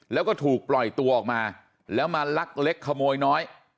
แล้วก็ถูกปล่อยตัวออกมาแล้วมาลักเล็กขโมยน้อย